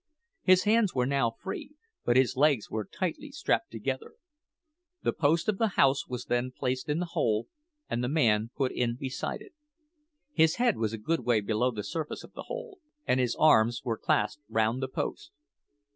His hands were now free, but his legs were tightly strapped together. The post of the house was then placed in the hole, and the man put in beside it. His head was a good way below the surface of the hole, and his arms were clasped round the post.